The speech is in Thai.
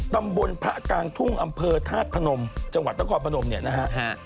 ตำบลพระกางทุ่งอำเภอทาสพนมจังหวัดต้องกล่อพนมเนี่ยนะฮะ